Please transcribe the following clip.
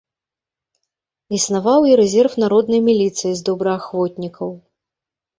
Існаваў і рэзерв народнай міліцыі з добраахвотнікаў.